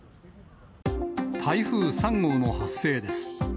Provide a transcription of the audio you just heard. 台風３号の発生です。